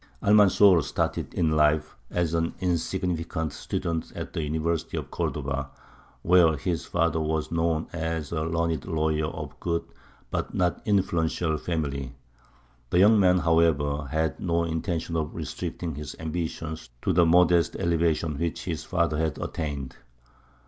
Almanzor started in life as an insignificant student at the university of Cordova, where his father was known as a learned lawyer of good but not influential family. The young man, however, had no intention of restricting his ambition to the modest elevation which his father had attained.